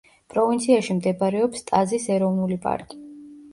პროვინციაში მდებარეობს ტაზის ეროვნული პარკი.